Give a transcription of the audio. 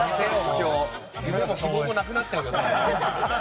夢も希望も無くなっちゃう。